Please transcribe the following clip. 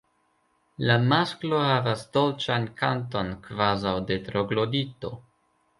La masklo havas dolĉan kanton kvazaŭ de Troglodito.